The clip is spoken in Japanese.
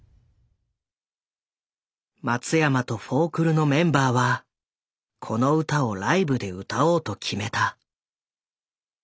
松山とフォークルのメンバーはこの歌をライブで歌おうと決めた。